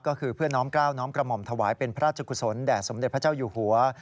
ก็คือเพื่อน้อมกล้าวน้อมกระหม่อมถวายเป็นพระราชกุศลแด่สมเด็จพระเจ้าอยู่หัว